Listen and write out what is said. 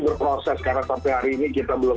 berproses karena sampai hari ini kita belum